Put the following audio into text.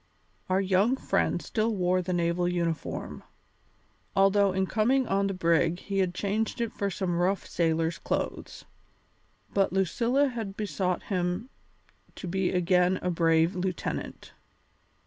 Our young friend still wore the naval uniform, although in coming on the brig he had changed it for some rough sailor's clothes. But Lucilla had besought him to be again a brave lieutenant.